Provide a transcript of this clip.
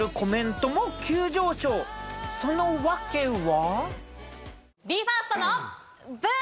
その訳は？